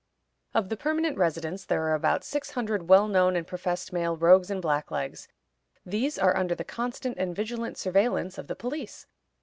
Of the permanent residents there are about six hundred well known and professed male rogues and blacklegs; these are under the constant and vigilant surveillance of the police.